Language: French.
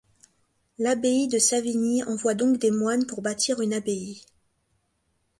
L'abbaye de Savigny envoie donc des moines pour bâtir une abbaye.